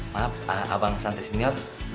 maaf abang santi senior